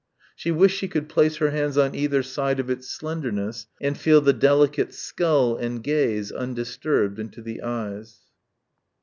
She wished she could place her hands on either side of its slenderness and feel the delicate skull and gaze undisturbed into the eyes.